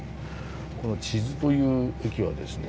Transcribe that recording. この智頭という駅はですね